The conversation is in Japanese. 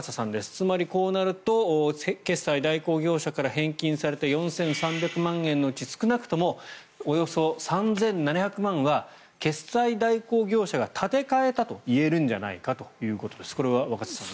つまり、こうなると決済代行から返金された４３００万円のうち少なくともおよそ３７００万円は決済代行業者が立て替えたといえるんじゃないかということです。